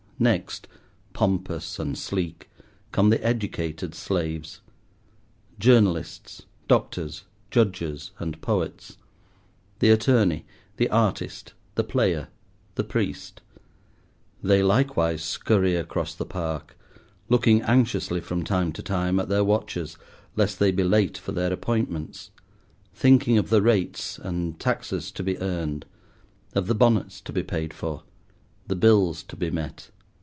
Next, pompous and sleek, come the educated slaves—journalists, doctors, judges, and poets; the attorney, the artist, the player, the priest. They likewise scurry across the Park, looking anxiously from time to time at their watches, lest they be late for their appointments; thinking of the rates and taxes to be earned, of the bonnets to be paid for, the bills to be met.